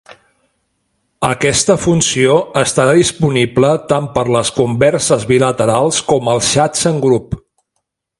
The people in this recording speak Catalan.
Aquesta funció estarà disponible tant per les converses bilaterals com als xats en grup.